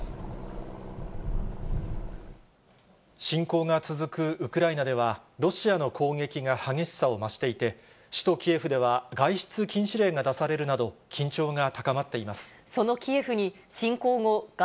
侵攻が続くウクライナでは、ロシアの攻撃が激しさを増していて、首都キエフでは外出禁止令が出されるなど、緊張が高まっています。